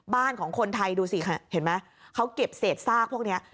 บ้านของคนไทยดูสิเห็นไหมเขาเก็บเศษซากพวกนี้